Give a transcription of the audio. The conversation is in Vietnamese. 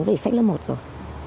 về sách lớp một rồi